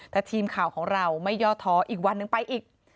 แต่ทีมข่าวของเราไม่ย่อท้ออีกวันหนึ่งไปอีก